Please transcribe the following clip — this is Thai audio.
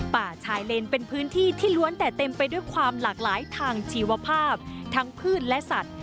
ป่าชายเลนเป็นพื้นที่ที่ล้วนแต่เต็มไปด้วยความหลากหลายทางชีวภาพทั้งพืชและสัตว์